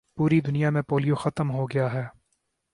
پوری دنیا میں پولیو ختم ہو گیا ہے